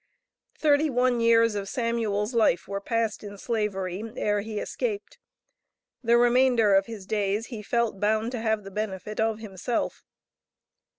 Thirty one years of Samuel's life were passed in Slavery, ere he escaped. The remainder of his days he felt bound to have the benefit of himself.